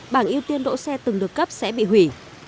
bảng ưu tiên đỗ xe từng được cấp sẽ bị hủy